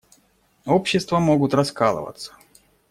Общества могут раскалываться.